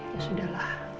ya sudah lah